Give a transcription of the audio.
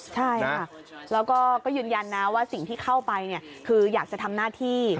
ใช่ค่ะแล้วก็ยืนยันนะว่าสิ่งที่เข้าไปคืออยากจะทำหน้าที่